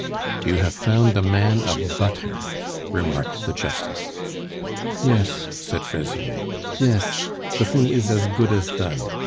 "You have found a man of butter," remarked the justice. "Yes," said Fraisier, "yes. The thing is as good as done.